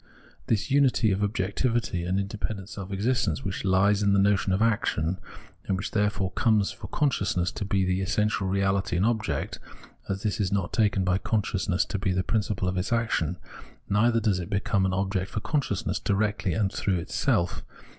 This unity of objectivity and independent self existence which hes in the notion of action, and which therefore comes for consciousness to be the essential reahty and object — as this is not taken by consciousness to be the principle of its action, neither does it become an object for con sciousness directly and through itself.